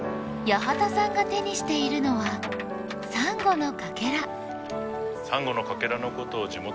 八幡さんが手にしているのはサンゴのカケラ。